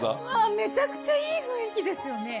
めちゃくちゃいい雰囲気ですよね。